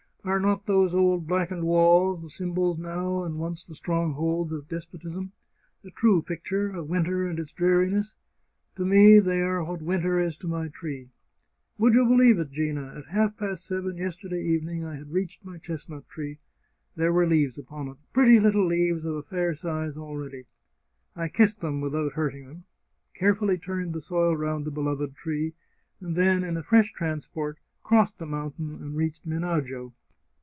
Are not these old blackened walls — the symbols now, and once the strongholds, of despotism — a true picture of winter and its dreariness ? To me they are what winter is to my tree.' " Would you believe it, Gina ? At half past seven yester day evening I had reached my chestnut tree. There were leaves upon it — pretty little leaves of a fair size already! I kissed them, without hurting them, carefully turned the soil round the beloved tree, and then, in a fresh transport, crossed the mountain and reached Menagio.